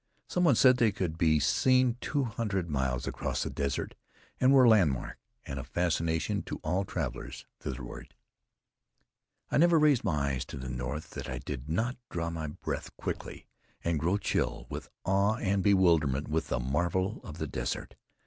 Some one said they could be seen two hundred miles across the desert, and were a landmark and a fascination to all travelers thitherward. I never raised my eyes to the north that I did not draw my breath quickly and grow chill with awe and bewilderment with the marvel of the desert.